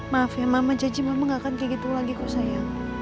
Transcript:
maaf ya mama janji mama gak akan kayak gitu lagi kok saya